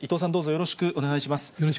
よろしくお願いします。